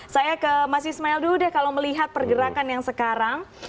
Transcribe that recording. saya ke mas ismail dulu deh kalau melihat pergerakan yang sekarang